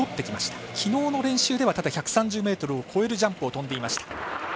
きのうの練習では１３０ｍを越えるジャンプを飛んでいました。